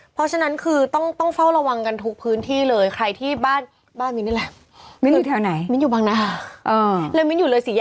เป็นแบบเนี้ยทั้งคืนค่ะหกโมงจนถึงเนี้ยให้ดูอือนี่อ่ะ